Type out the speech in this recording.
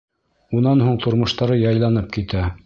Унан һуң тормоштары яйланып китә.